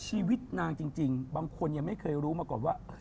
ชีวิตนางจริงบางคนยังไม่เคยรู้มาก่อนว่า